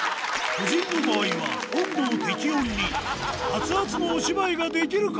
夫人の場合は温度を適温に、熱々のお芝居ができるか？